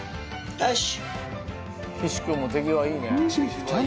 よし。